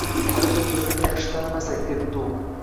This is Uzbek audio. Hali bir-birimizni yaxshi tanimasak, — debdi u